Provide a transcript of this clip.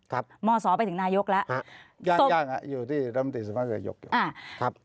ครับมศไปถึงนายกแล้วตรงยังอยู่ที่รมติสมภารกรณายก